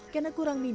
karena kurang mimpi